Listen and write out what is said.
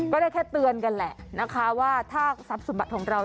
ก็ได้แค่เตือนกันแหละนะคะว่าถ้าทรัพย์สมบัติของเรา